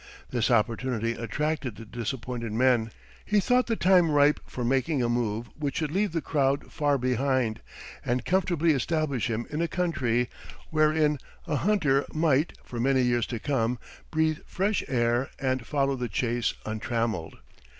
This opportunity attracted the disappointed man; he thought the time ripe for making a move which should leave the crowd far behind, and comfortably establish him in a country wherein a hunter might, for many years to come, breathe fresh air and follow the chase untrammeled.